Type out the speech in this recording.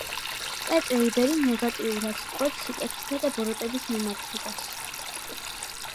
პეტრე იბერი ნეგატიურად წყვეტს სიკეთისა და ბოროტების მიმართებას.